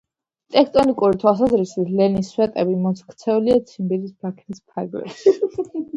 ტექტონიკური თვალსაზრისით, „ლენის სვეტები“ მოქცეულია ციმბირის ბაქნის ფარგლებში.